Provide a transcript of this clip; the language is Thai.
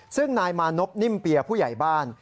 ซึ่งนายมานพนิ่มเปียผู้ใหญ่บ้าน